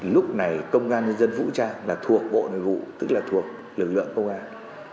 lúc này công an nhân dân vũ trang là thuộc bộ nội vụ tức là thuộc lực lượng công an